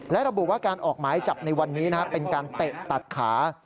และระบุว่าการออกหมายจับในวันนี้เป็นการเตะตัดขา